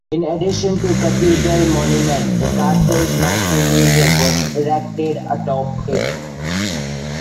In addition to a cathedral monument, the Carthage National Museum was erected atop it.